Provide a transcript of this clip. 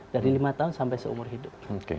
dari lima tahun sampai seumur hidup